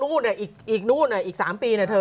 ๒นู่นอ่ะอีกนู่นอ่ะอีก๓ปีนะเธอ